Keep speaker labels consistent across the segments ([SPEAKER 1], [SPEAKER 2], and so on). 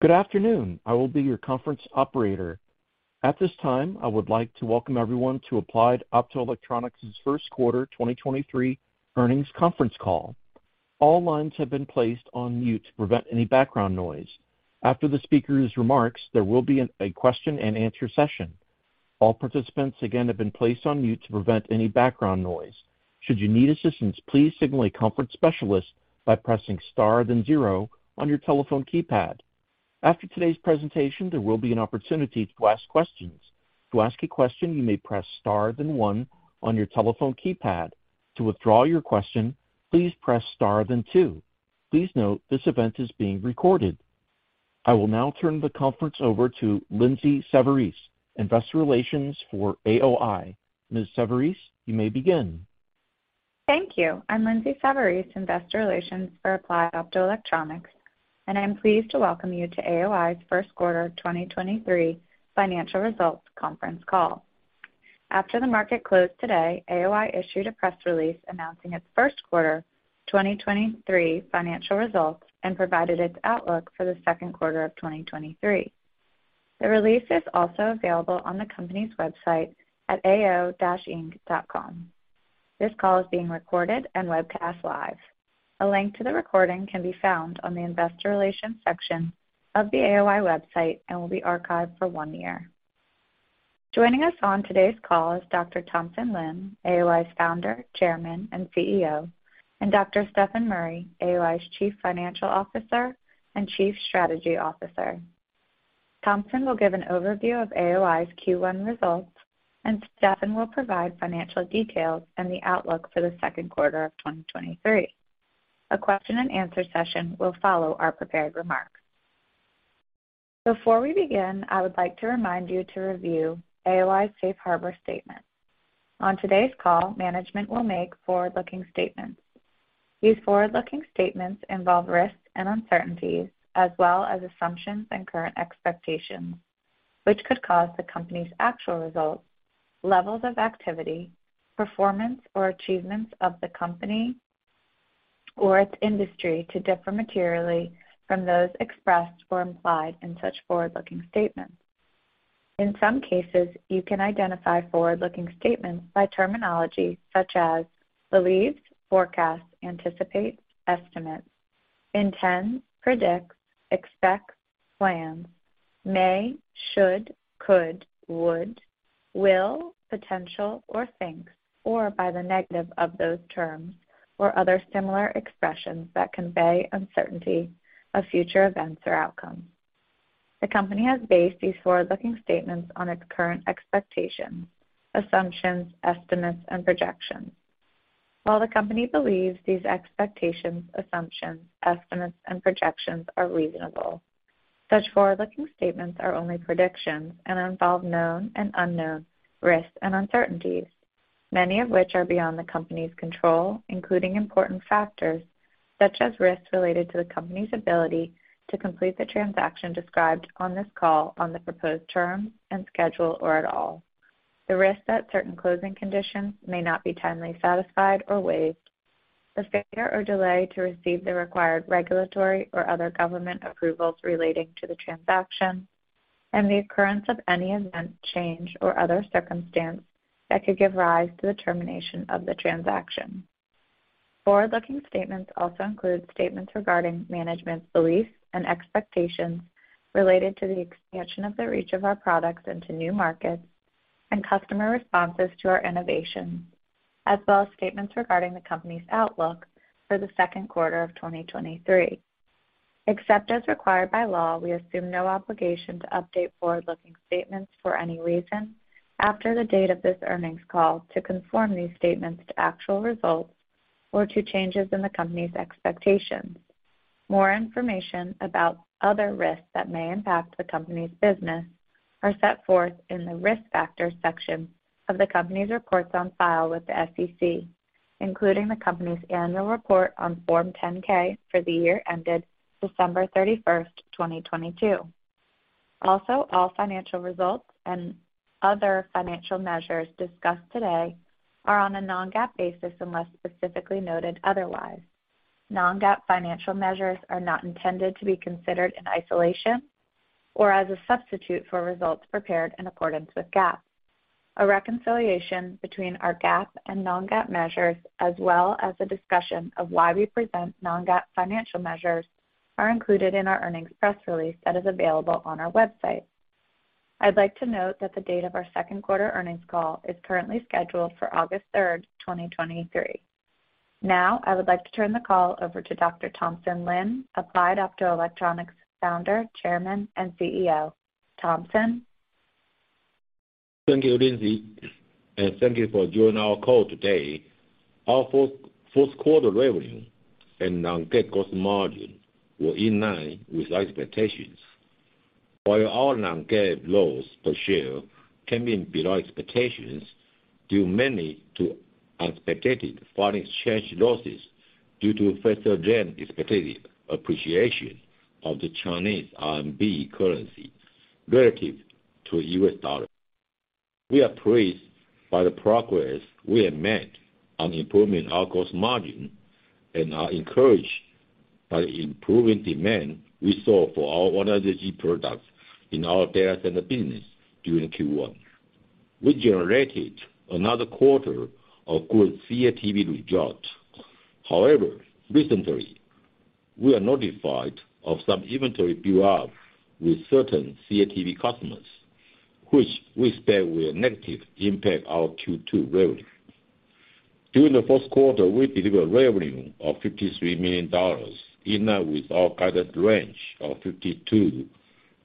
[SPEAKER 1] Good afternoon. I will be your conference operator. At this time, I would like to welcome everyone to Applied Optoelectronics' first quarter 2023 earnings conference call. All lines have been placed on mute to prevent any background noise. After the speaker's remarks, there will be a question-and-answer session. All participants, again, have been placed on mute to prevent any background noise. Should you need assistance, please signal a conference specialist by pressing Star, then zero on your telephone keypad. After today's presentation, there will be an opportunity to ask questions. To ask a question, you may press Star, then one on your telephone keypad. To withdraw your question, please press Star, then two. Please note, this event is being recorded. I will now turn the conference over to Lindsay Savarese, investor relations for AOI. Ms. Savarese, you may begin.
[SPEAKER 2] Thank you. I'm Lindsay Savarese, investor relations for Applied Optoelectronics, and I'm pleased to welcome you to AOI's first quarter 2023 financial results conference call. After the market closed today, AOI issued a press release announcing its first quarter 2023 financial results and provided its outlook for the second quarter of 2023. The release is also available on the company's website at ao-inc.com. This call is being recorded and webcast live. A link to the recording can be found on the investor relations section of the AOI website and will be archived for one year. Joining us on today's call is Dr. Thompson Lin, AOI's founder, chairman, and CEO, and Dr. Stefan Murry, AOI's chief financial officer and chief strategy officer. Thompson will give an overview of AOI's Q1 results, and Stefan will provide financial details and the outlook for the second quarter of 2023. A question-and-answer session will follow our prepared remarks. Before we begin, I would like to remind you to review AOI's safe harbor statement. On today's call, management will make forward-looking statements. These forward-looking statements involve risks and uncertainties, as well as assumptions and current expectations, which could cause the company's actual results, levels of activity, performance, or achievements of the company or its industry to differ materially from those expressed or implied in such forward-looking statements. In some cases, you can identify forward-looking statements by terminology such as believes, forecasts, anticipates, estimates, intends, predicts, expects, plans, may, should, could, would, will, potential, or thinks, or by the negative of those terms, or other similar expressions that convey uncertainty of future events or outcomes. The company has based these forward-looking statements on its current expectations, assumptions, estimates, and projections. While the company believes these expectations, assumptions, estimates, and projections are reasonable, such forward-looking statements are only predictions and involve known and unknown risks and uncertainties, many of which are beyond the company's control, including important factors such as risks related to the company's ability to complete the transaction described on this call on the proposed term and schedule or at all. The risk that certain closing conditions may not be timely satisfied or waived, the failure or delay to receive the required regulatory or other government approvals relating to the transaction, and the occurrence of any event, change, or other circumstance that could give rise to the termination of the transaction. Forward-looking statements also include statements regarding management's beliefs and expectations related to the expansion of the reach of our products into new markets and customer responses to our innovations, as well as statements regarding the company's outlook for the second quarter of 2023. Except as required by law, we assume no obligation to update forward-looking statements for any reason after the date of this earnings call to conform these statements to actual results or to changes in the company's expectations. More information about other risks that may impact the company's business are set forth in the Risk Factors section of the company's reports on file with the SEC, including the company's annual report on Form 10-K for the year ended December 31st, 2022. Also, all financial results and other financial measures discussed today are on a non-GAAP basis, unless specifically noted otherwise. Non-GAAP financial measures are not intended to be considered in isolation or as a substitute for results prepared in accordance with GAAP. A reconciliation between our GAAP and non-GAAP measures, as well as a discussion of why we present non-GAAP financial measures, are included in our earnings press release that is available on our website. I'd like to note that the date of our second quarter earnings call is currently scheduled for August 3, 2023. Now, I would like to turn the call over to Dr. Thompson Lin, Applied Optoelectronics Founder, Chairman, and CEO. Thompson.
[SPEAKER 3] Thank you, Lindsay, and thank you for joining our call today. Our fourth quarter revenue and non-GAAP cost margin were in line with our expectations. While our non-GAAP loss per share came in below expectations due mainly to unexpected foreign exchange losses due to faster-than-expected appreciation of the Chinese RMB currency relative to U.S. dollar. We are pleased by the progress we have made on improving our gross margin and are encouraged by the improving demand we saw for our 100G products in our data center business during Q1. We generated another quarter of good CATV results. However, recently, we are notified of some inventory buildup with certain CATV customers, which we expect will negatively impact our Q2 revenue. During the first quarter, we delivered revenue of $53 million,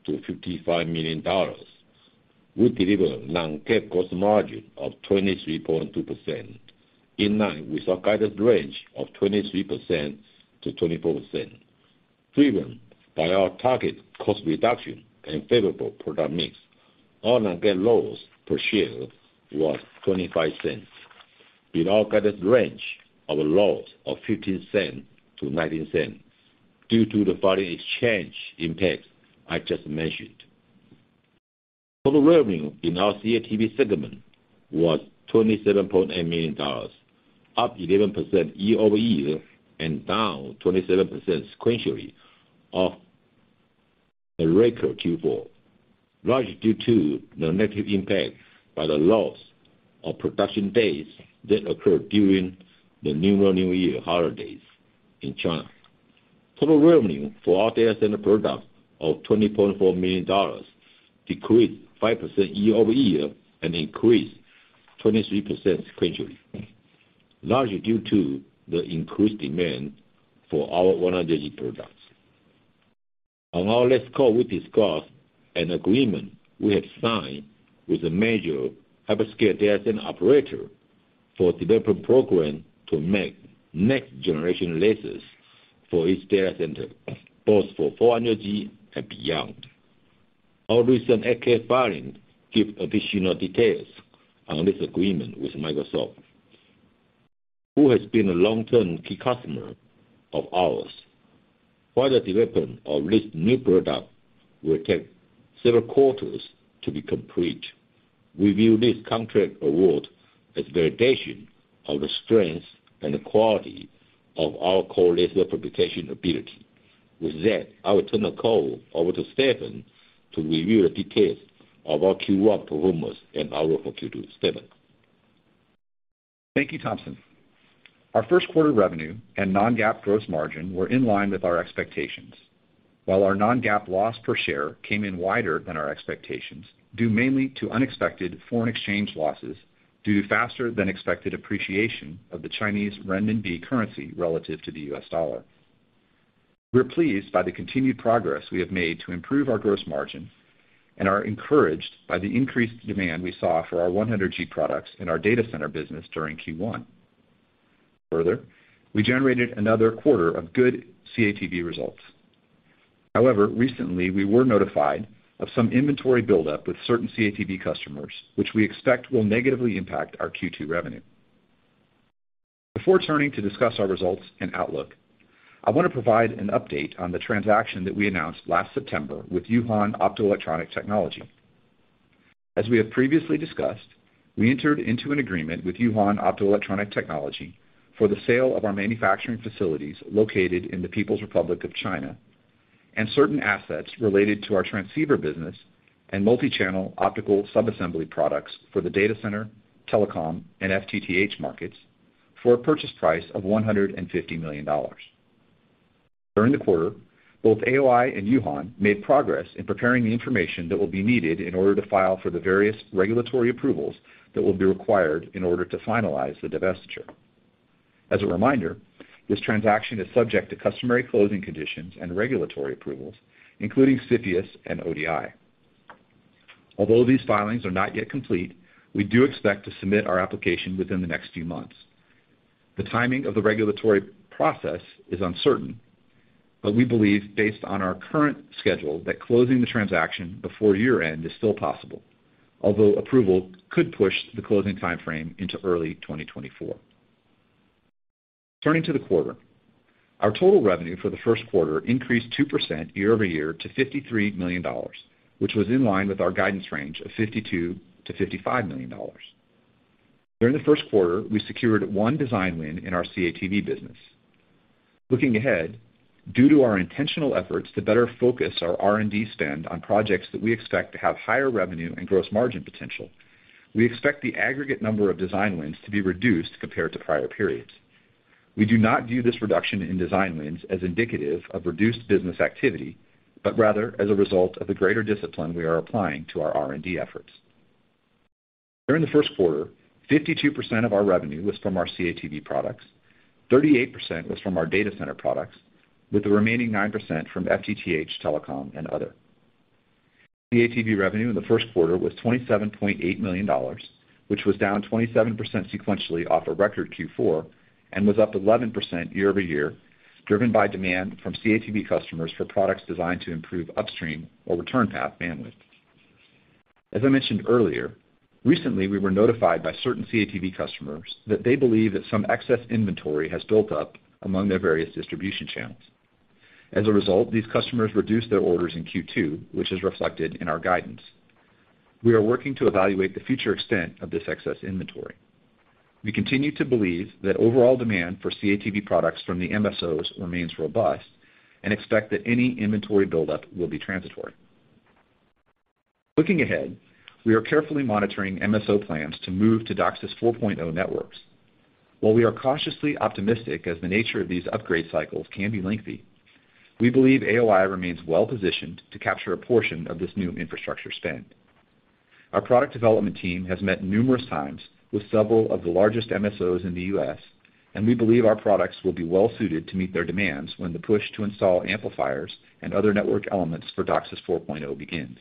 [SPEAKER 3] in line with our guided range of $52 million-$55 million. We delivered non-GAAP cost margin of 23.2%, in line with our guided range of 23%-24%. Driven by our target cost reduction and favorable product mix, our non-GAAP loss per share was $0.25, in our guided range of a loss of $0.15-$0.19 due to the foreign exchange impact I just mentioned. Total revenue in our CATV segment was $27.8 million, up 11% year-over-year and down 27% sequentially off the record Q4, largely due to the negative impact by the loss of production days that occurred during the Lunar New Year holidays in China. Total revenue for our data center products of $24 million decreased 5% year-over-year and increased 23% sequentially, largely due to the increased demand for our 100G products. On our last call, we discussed an agreement we have signed with a major hyperscale data center operator for development program to make next generation lasers for each data center, both for 400G and beyond. Our recent 8-K filing give additional details on this agreement with Microsoft, who has been a long-term key customer of ours. Further development of this new product will take several quarters to be complete. We view this contract award as validation of the strength and the quality of our core laser fabrication ability. With that, I will turn the call over to Stefan to review the details of our Q1 performance and our hope for Q2. Stefan.
[SPEAKER 4] Thank you, Thompson. Our first quarter revenue and non-GAAP gross margin were in line with our expectations. While our non-GAAP loss per share came in wider than our expectations, due mainly to unexpected foreign exchange losses due to faster than expected appreciation of the Chinese renminbi currency relative to the US dollar. We're pleased by the continued progress we have made to improve our gross margin and are encouraged by the increased demand we saw for our 100G products in our data center business during Q1. We generated another quarter of good CATV results. Recently, we were notified of some inventory buildup with certain CATV customers, which we expect will negatively impact our Q2 revenue. Before turning to discuss our results and outlook, I want to provide an update on the transaction that we announced last September with Yuhan Optoelectronic Technology. As we have previously discussed, we entered into an agreement with Yuhan Optoelectronic Technology for the sale of our manufacturing facilities located in the People's Republic of China and certain assets related to our transceiver business and multi-channel optical sub-assembly products for the data center, telecom, and FTTH markets for a purchase price of $150 million. During the quarter, both AOI and Yuhan made progress in preparing the information that will be needed in order to file for the various regulatory approvals that will be required in order to finalize the divestiture. As a reminder, this transaction is subject to customary closing conditions and regulatory approvals, including CFIUS and ODI. Although these filings are not yet complete, we do expect to submit our application within the next few months. The timing of the regulatory process is uncertain, but we believe based on our current schedule, that closing the transaction before year-end is still possible, although approval could push the closing timeframe into early 2024. Turning to the quarter. Our total revenue for the first quarter increased 2% year-over-year to $53 million, which was in line with our guidance range of $52 million-$55 million. During the first quarter, we secured one design win in our CATV business. Looking ahead, due to our intentional efforts to better focus our R&D spend on projects that we expect to have higher revenue and gross margin potential, we expect the aggregate number of design wins to be reduced compared to prior periods. We do not view this reduction in design wins as indicative of reduced business activity, but rather as a result of the greater discipline we are applying to our R&D efforts. During the first quarter, 52% of our revenue was from our CATV products, 38% was from our data center products, with the remaining 9% from FTTH, telecom, and other. CATV revenue in the first quarter was $27.8 million, which was down 27% sequentially off a record Q4, and was up 11% year-over-year, driven by demand from CATV customers for products designed to improve upstream or return path bandwidth. As I mentioned earlier, recently, we were notified by certain CATV customers that they believe that some excess inventory has built up among their various distribution channels. As a result, these customers reduced their orders in Q2, which is reflected in our guidance. We are working to evaluate the future extent of this excess inventory. We continue to believe that overall demand for CATV products from the MSOs remains robust and expect that any inventory buildup will be transitory. Looking ahead, we are carefully monitoring MSO plans to move to DOCSIS 4.0 networks. While we are cautiously optimistic as the nature of these upgrade cycles can be lengthy, we believe AOI remains well-positioned to capture a portion of this new infrastructure spend. Our product development team has met numerous times with several of the largest MSOs in the U.S., and we believe our products will be well suited to meet their demands when the push to install amplifiers and other network elements for DOCSIS 4.0 begins.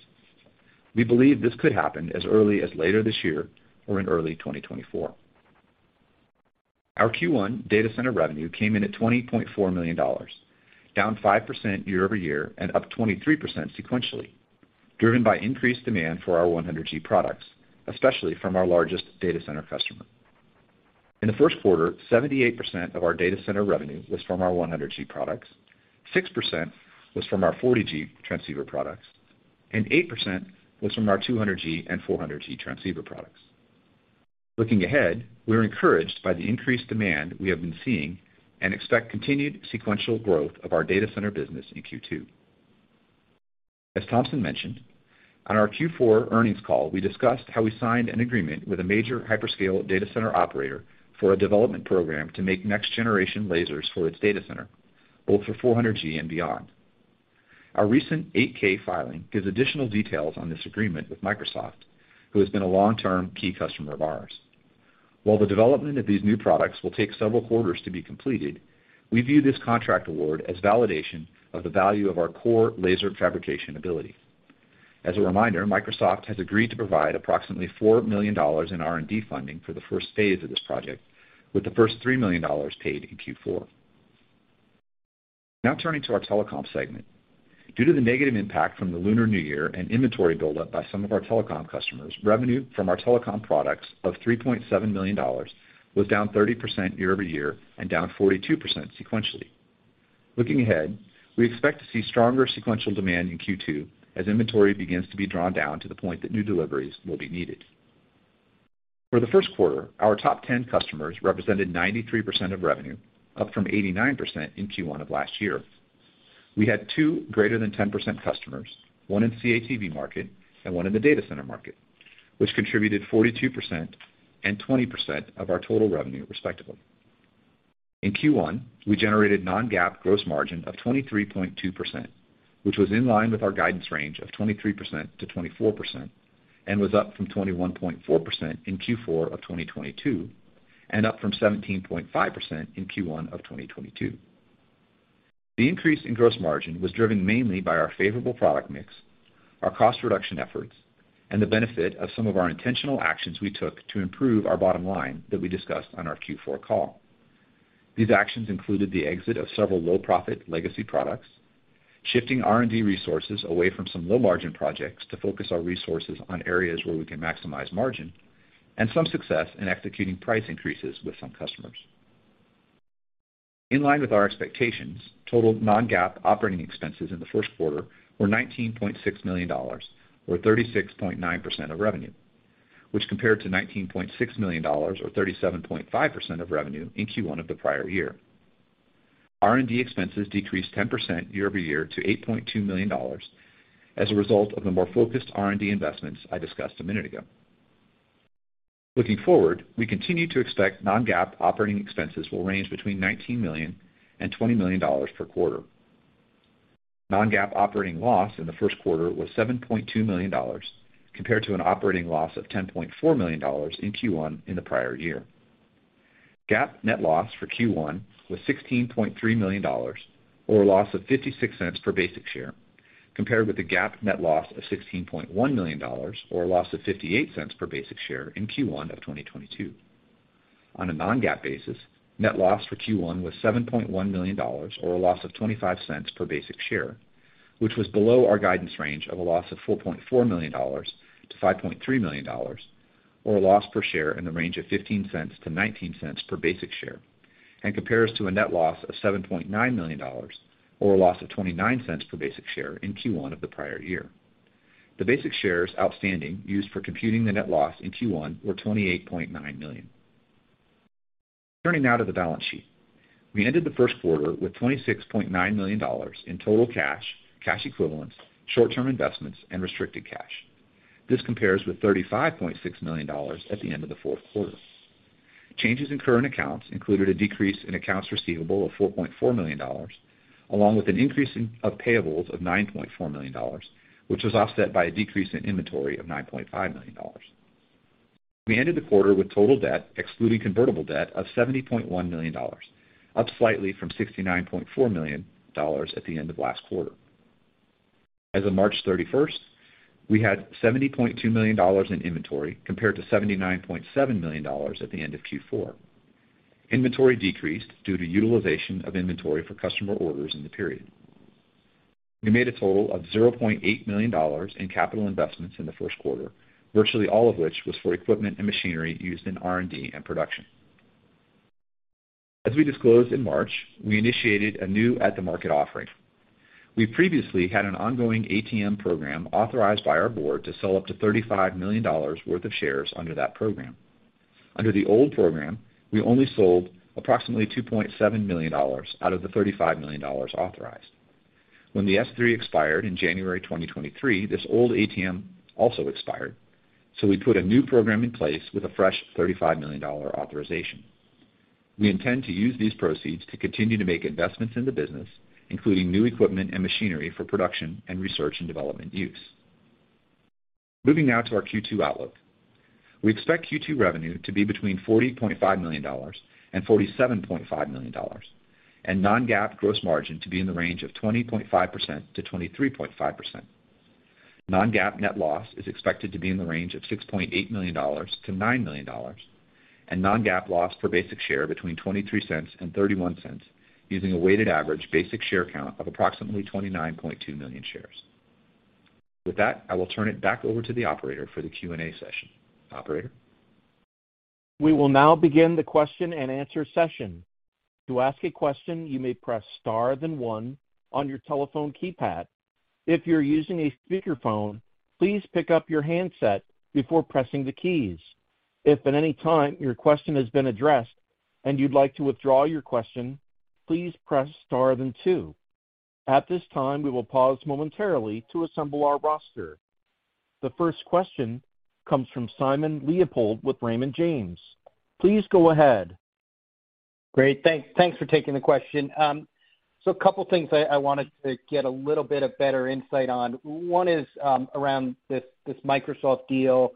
[SPEAKER 4] We believe this could happen as early as later this year or in early 2024. Our Q1 data center revenue came in at $20.4 million, down 5% year-over-year and up 23% sequentially, driven by increased demand for our 100G products, especially from our largest data center customer. In the first quarter, 78% of our data center revenue was from our 100G products, 6% was from our 40G transceiver products, and 8% was from our 200G and 400G transceiver products. Looking ahead, we're encouraged by the increased demand we have been seeing and expect continued sequential growth of our data center business in Q2. As Thompson mentioned, on our Q4 earnings call, we discussed how we signed an agreement with a major hyperscale data center operator for a development program to make next generation lasers for its data center, both for 400G and beyond. Our recent 8-K filing gives additional details on this agreement with Microsoft, who has been a long-term key customer of ours. While the development of these new products will take several quarters to be completed, we view this contract award as validation of the value of our core laser fabrication ability. As a reminder, Microsoft has agreed to provide approximately $4 million in R&D funding for the phase I of this project, with the first $3 million paid in Q4. Turning to our telecom segment. Due to the negative impact from the Lunar New Year and inventory buildup by some of our telecom customers, revenue from our telecom products of $3.7 million was down 30% year-over-year and down 42% sequentially. Looking ahead, we expect to see stronger sequential demand in Q2 as inventory begins to be drawn down to the point that new deliveries will be needed. For the first quarter, our top 10 customers represented 93% of revenue, up from 89% in Q1 of last year. We had two greater than 10% customers, one in CATV market and one in the data center market, which contributed 42% and 20% of our total revenue, respectively. In Q1, we generated non-GAAP gross margin of 23.2%, which was in line with our guidance range of 23%-24% and was up from 21.4% in Q4 of 2022, and up from 17.5% in Q1 of 2022. The increase in gross margin was driven mainly by our favorable product mix, our cost reduction efforts, and the benefit of some of our intentional actions we took to improve our bottom line that we discussed on our Q4 call. These actions included the exit of several low profit legacy products, shifting R&D resources away from some low margin projects to focus our resources on areas where we can maximize margin, and some success in executing price increases with some customers. In line with our expectations, total non-GAAP operating expenses in the first quarter were $19.6 million or 36.9% of revenue, which compared to $19.6 million or 37.5% of revenue in Q1 of the prior year. R&D expenses decreased 10% year-over-year to $8.2 million as a result of the more focused R&D investments I discussed a minute ago. Looking forward, we continue to expect non-GAAP operating expenses will range between $19 million and $20 million per quarter. Non-GAAP operating loss in the first quarter was $7.2 million compared to an operating loss of $10.4 million in Q1 in the prior year. GAAP net loss for Q1 was $16.3 million or a loss of $0.56 per basic share, compared with the GAAP net loss of $16.1 million or a loss of $0.58 per basic share in Q1 of 2022. On a non-GAAP basis, net loss for Q1 was $7.1 million or a loss of $0.25 per basic share, which was below our guidance range of a loss of $4.4 million-$5.3 million, or a loss per share in the range of $0.15-$0.19 per basic share, and compares to a net loss of $7.9 million or a loss of $0.29 per basic share in Q1 of the prior year. The basic shares outstanding used for computing the net loss in Q1 were 28.9 million. Turning now to the balance sheet. We ended the first quarter with $26.9 million in total cash equivalents, short-term investments, and restricted cash. This compares with $35.6 million at the end of the fourth quarter. Changes in current accounts included a decrease in accounts receivable of $4.4 million, along with an increase of payables of $9.4 million, which was offset by a decrease in inventory of $9.5 million. We ended the quarter with total debt, excluding convertible debt, of $70.1 million, up slightly from $69.4 million at the end of last quarter. As of March 31st, we had $70.2 million in inventory, compared to $79.7 million at the end of Q4. Inventory decreased due to utilization of inventory for customer orders in the period. We made a total of $0.8 million in capital investments in the first quarter, virtually all of which was for equipment and machinery used in R&D and production. As we disclosed in March, we initiated a new at-the-market offering. We previously had an ongoing ATM program authorized by our board to sell up to $35 million worth of shares under that program. Under the old program, we only sold approximately $2.7 million out of the $35 million authorized. When the S-3 expired in January 2023, this old ATM also expired, so we put a new program in place with a fresh $35 million authorization. We intend to use these proceeds to continue to make investments in the business, including new equipment and machinery for production and research and development use. Moving now to our Q2 outlook. We expect Q2 revenue to be between $40.5 million and $47.5 million, and non-GAAP gross margin to be in the range of 20.5%-23.5%. Non-GAAP net loss is expected to be in the range of $6.8 million-$9 million, and non-GAAP loss per basic share between $0.23 and $0.31, using a weighted average basic share count of approximately 29.2 million shares. With that, I will turn it back over to the operator for the Q&A session. Operator?
[SPEAKER 1] We will now begin the question-and-answer session. To ask a question, you may press star then one on your telephone keypad. If you're using a speakerphone, please pick up your handset before pressing the keys. If at any time your question has been addressed and you'd like to withdraw your question, please press star then two. At this time, we will pause momentarily to assemble our roster. The first question comes from Simon Leopold with Raymond James. Please go ahead.
[SPEAKER 5] Great. Thanks. Thanks for taking the question. A couple of things I wanted to get a little bit of better insight on. One is, around this Microsoft deal,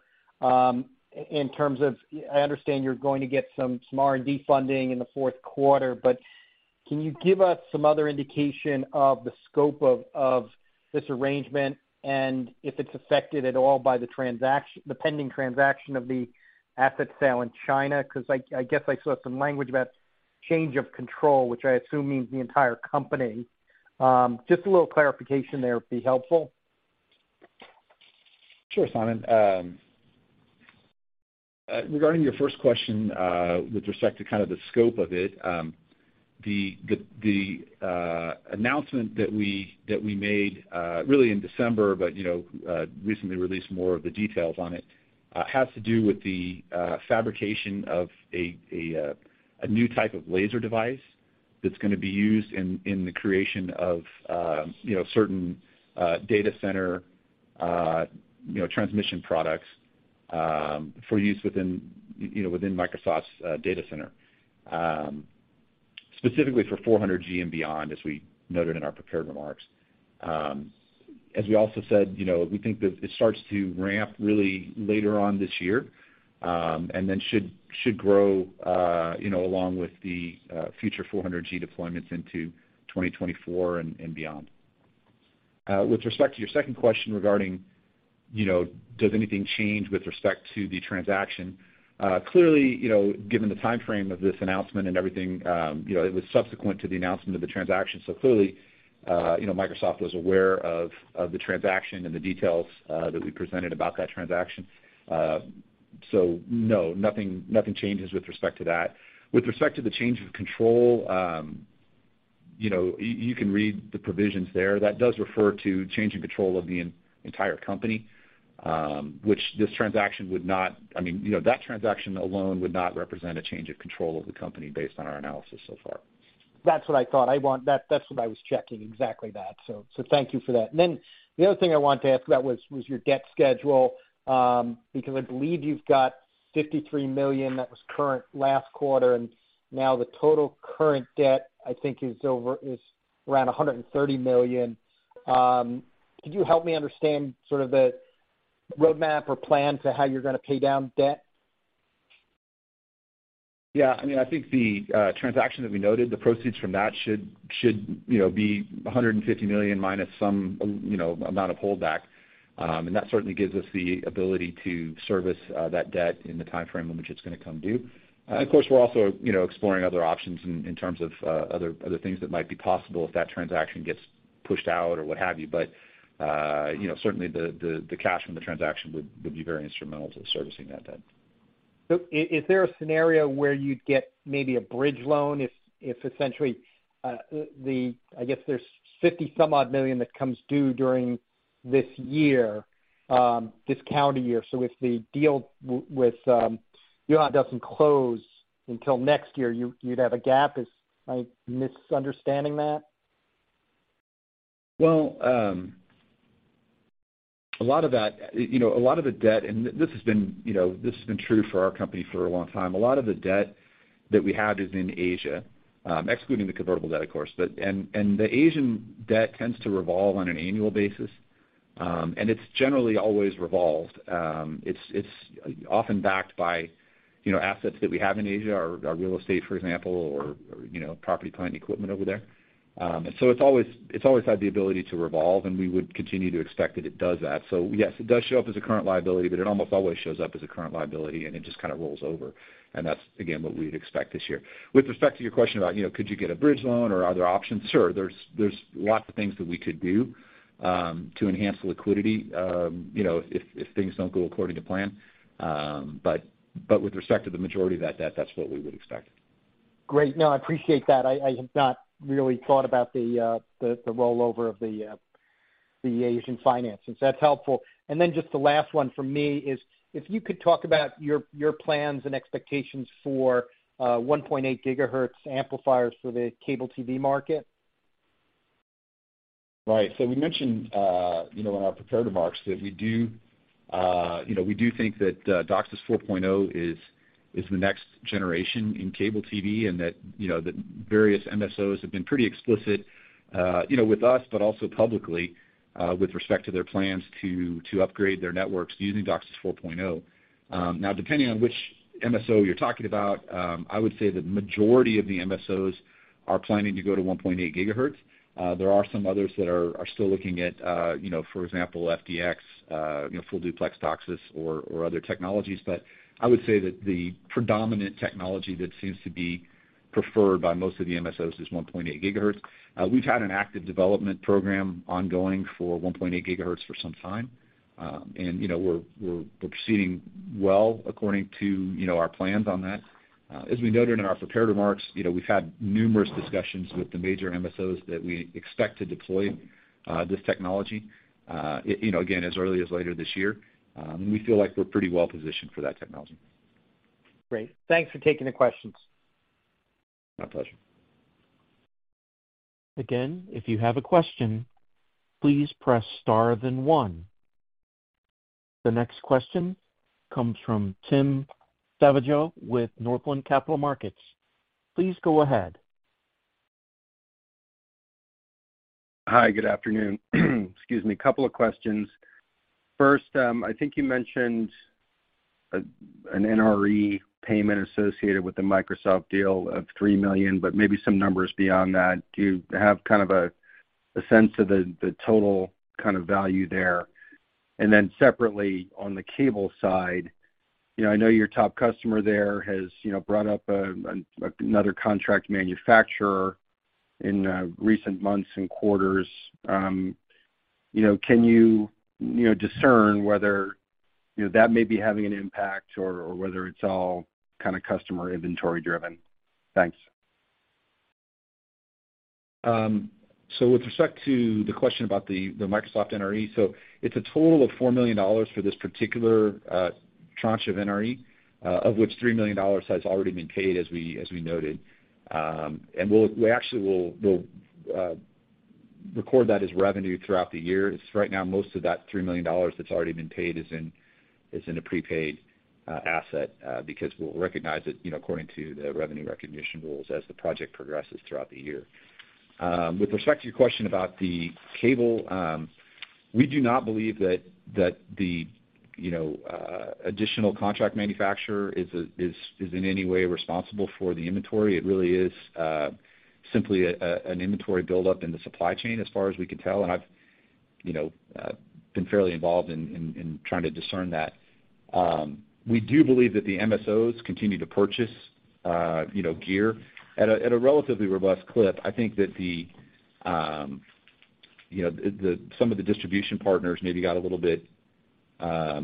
[SPEAKER 5] in terms of I understand you're going to get some R&D funding in the 4th quarter, but can you give us some other indication of the scope of this arrangement and if it's affected at all by the pending transaction of the asset sale in China? 'Cause I guess I saw some language about change of control, which I assume means the entire company. Just a little clarification there would be helpful.
[SPEAKER 4] Sure, Simon. Regarding your first question, with respect to kind of the scope of it, the announcement that we made really in December, but, you know, recently released more of the details on it, has to do with the fabrication of a new type of laser device that's gonna be used in the creation of, you know, certain data center, you know, transmission products, for use within, you know, within Microsoft's data center, specifically for 400G and beyond, as we noted in our prepared remarks. As we also said, you know, we think that it starts to ramp really later on this year, and then should grow, you know, along with the future 400G deployments into 2024 and beyond. With respect to your second question regarding, you know, does anything change with respect to the transaction, clearly, you know, given the timeframe of this announcement and everything, it was subsequent to the announcement of the transaction. Clearly, you know, Microsoft was aware of the transaction and the details, that we presented about that transaction. No, nothing changes with respect to that. With respect to the change of control, you know, you can read the provisions there. That does refer to change in control of the entire company, which this transaction would not... I mean, you know, that transaction alone would not represent a change of control of the company based on our analysis so far.
[SPEAKER 5] That's what I thought. That's what I was checking, exactly that. Thank you for that. The other thing I wanted to ask about was your debt schedule, because I believe you've got $53 million that was current last quarter, and now the total current debt, I think is around $130 million. Could you help me understand sort of the roadmap or plan to how you're gonna pay down debt?
[SPEAKER 4] Yeah. I mean, I think the transaction that we noted, the proceeds from that should, you know, be $150 million minus some, you know, amount of holdback. That certainly gives us the ability to service that debt in the timeframe in which it's gonna come due. Of course, we're also, you know, exploring other options in terms of other things that might be possible if that transaction gets pushed out or what have you. You know, certainly the cash from the transaction would be very instrumental to servicing that debt.
[SPEAKER 5] Is there a scenario where you'd get maybe a bridge loan if essentially, I guess there's $50 some odd million that comes due during this year, this calendar year. If the deal with Yuhan doesn't close until next year, you'd have a gap. Am I misunderstanding that?
[SPEAKER 4] Well, a lot of that, you know, a lot of the debt, and this has been, you know, this has been true for our company for a long time. A lot of the debt that we have is in Asia, excluding the convertible debt, of course. The Asian debt tends to revolve on an annual basis. It's generally always revolved. It's often backed byYou know, assets that we have in Asia, our real estate, for example, or you know, property, plant, and equipment over there. It's always had the ability to revolve, and we would continue to expect that it does that. Yes, it does show up as a current liability, but it almost always shows up as a current liability, and it just kind of rolls over. That's, again, what we'd expect this year. With respect to your question about, you know, could you get a bridge loan or are there options? Sure. There's lots of things that we could do to enhance the liquidity, you know, if things don't go according to plan. With respect to the majority of that debt, that's what we would expect.
[SPEAKER 5] Great. No, I appreciate that. I had not really thought about the rollover of the Asian finances. That's helpful. Just the last one from me is if you could talk about your plans and expectations for 1.8 GHz amplifiers for the cable TV market.
[SPEAKER 4] Right. We mentioned, you know, in our prepared remarks that we do, you know, we do think that DOCSIS 4.0 is the next generation in cable TV, and that, you know, the various MSOs have been pretty explicit, you know, with us, but also publicly, with respect to their plans to upgrade their networks using DOCSIS 4.0. Now, depending on which MSO you're talking about, I would say the majority of the MSOs are planning to go to 1.8 GHz. There are some others that are still looking at, you know, for example, FDX, you know, Full Duplex DOCSIS or other technologies. I would say that the predominant technology that seems to be preferred by most of the is 1.8 GHz. We've had an active development program ongoing for 1.8 GHz for some time. You know, we're proceeding well according to, you know, our plans on that. As we noted in our prepared remarks, you know, we've had numerous discussions with the major MSOs that we expect to deploy this technology, you know, again, as early as later this year. We feel like we're pretty well positioned for that technology.
[SPEAKER 5] Great. Thanks for taking the questions.
[SPEAKER 4] My pleasure.
[SPEAKER 1] Again, if you have a question, please press star then one. The next question comes from Timothy Savageaux with Northland Capital Markets. Please go ahead.
[SPEAKER 6] Hi. Good afternoon. Excuse me. Couple of questions. First, I think you mentioned an NRE payment associated with the Microsoft deal of $3 million, but maybe some numbers beyond that. Do you have kind of a sense of the total kind of value there? Separately, on the cable side, you know, I know your top customer there has, you know, brought up another contract manufacturer in recent months and quarters. You know, can you know, discern whether, you know, that may be having an impact or whether it's all kinda customer inventory driven? Thanks.
[SPEAKER 4] With respect to the question about the Microsoft NRE, it's a total of $4 million for this particular tranche of NRE, of which $3 million has already been paid, as we noted. We actually will record that as revenue throughout the year. Right now, most of that $3 million that's already been paid is in a prepaid asset, because we'll recognize it, you know, according to the revenue recognition rules as the project progresses throughout the year. With respect to your question about the cable, we do not believe that the, you know, additional contract manufacturer is in any way responsible for the inventory. It really is simply an inventory buildup in the supply chain as far as we can tell, and I've, you know, been fairly involved in trying to discern that. We do believe that the MSOs continue to purchase, you know, gear at a relatively robust clip. I think that the, you know, some of the distribution partners maybe got a little bit,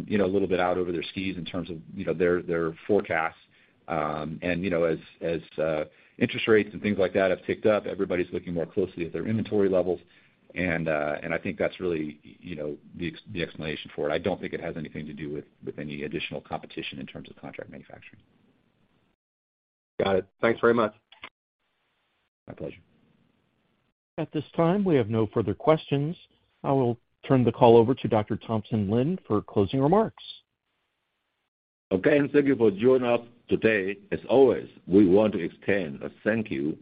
[SPEAKER 4] you know, a little bit out over their skis in terms of, you know, their forecast. You know, as interest rates and things like that have ticked up, everybody's looking more closely at their inventory levels, and I think that's really, you know, the explanation for it. I don't think it has anything to do with any additional competition in terms of contract manufacturing.
[SPEAKER 6] Got it. Thanks very much.
[SPEAKER 4] My pleasure.
[SPEAKER 1] At this time, we have no further questions. I will turn the call over to Dr. Thompson Lin for closing remarks.
[SPEAKER 3] Again, thank you for joining us today. As always, we want to extend a thank you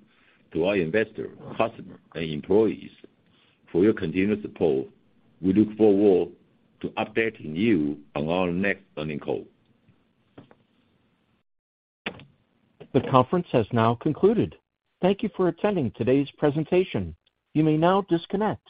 [SPEAKER 3] to our investors, customers, and employees for your continued support. We look forward to updating you on our next earnings call.
[SPEAKER 1] The conference has now concluded. Thank you for attending today's presentation. You may now disconnect.